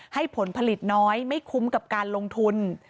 ผลผลิตน้อยไม่คุ้มกับการลงทุน